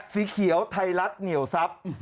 สีเขียวไทรัสเหนี่ยวซับ